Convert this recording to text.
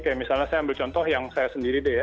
kayak misalnya saya ambil contoh yang saya sendiri deh ya